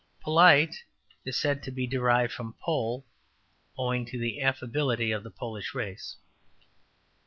'' ``Polite'' is said to be derived from ``Pole,'' owing to the affability of the Polish race.